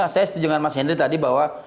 saya setuju dengan mas henry tadi bahwa